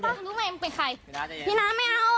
รู้ไหมมึงเป็นใครพี่น้าไม่เอา